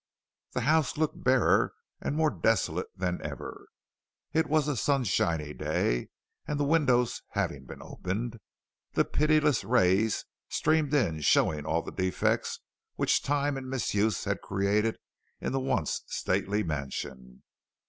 The house looked barer and more desolate than ever. It was a sunshiny day, and the windows having been opened, the pitiless rays streamed in showing all the defects which time and misuse had created in the once stately mansion.